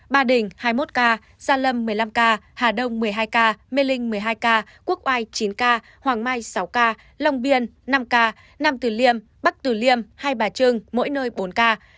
ba đình hai mươi một ca gia lâm một mươi năm ca hà đông một mươi hai ca mê linh một mươi hai ca quốc oai chín ca hoàng mai sáu ca long biên năm ca nam tử liêm bắc tử liêm hai bà trưng mỗi nơi bốn ca